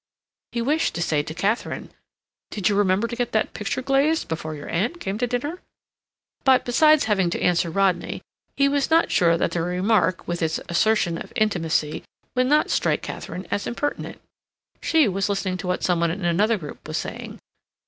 He wished to say to Katharine: "Did you remember to get that picture glazed before your aunt came to dinner?" but, besides having to answer Rodney, he was not sure that the remark, with its assertion of intimacy, would not strike Katharine as impertinent. She was listening to what some one in another group was saying.